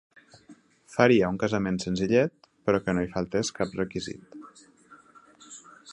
Faria un casament senzillet, però que no hi faltés cap requisit.